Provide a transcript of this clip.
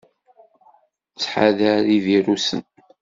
Ttḥadar ivirusen!